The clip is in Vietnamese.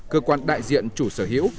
cơ quan đại diện chủ sở hữu